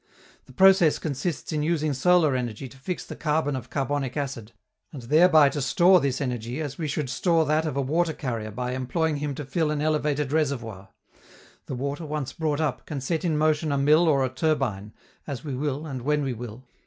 The process consists in using solar energy to fix the carbon of carbonic acid, and thereby to store this energy as we should store that of a water carrier by employing him to fill an elevated reservoir: the water, once brought up, can set in motion a mill or a turbine, as we will and when we will.